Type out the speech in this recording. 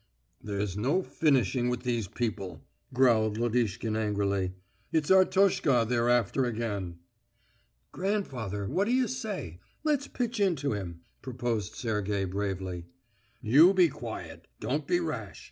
"There's no finishing with these people," growled Lodishkin angrily. "It's Artoshka they're after again." "Grandfather, what d'you say? Let's pitch into him!" proposed Sergey bravely. "You be quiet! Don't be rash!